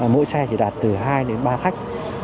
mỗi xe chỉ đạt từ hai đến ba khách